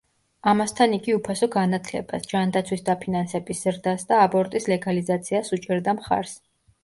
ამასთან იგი უფასო განათლებას, ჯანდაცვის დაფინანსების ზრდას და აბორტის ლეგალიზაციას უჭერდა მხარს.